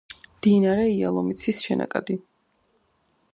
მდინარე იალომიცის შენაკადი.